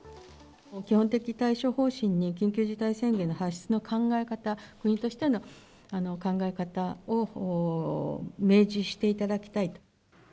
基本的対処方針に緊急事態宣言の発出の考え方、国としての考え方を明示していただきたい。